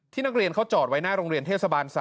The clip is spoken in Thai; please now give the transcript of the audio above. นักเรียนเขาจอดไว้หน้าโรงเรียนเทศบาล๓